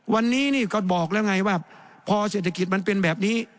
วันนี้นี่ก็บอกแล้วไงว่าพอเศรษฐกิจมันเป็นแบบนี้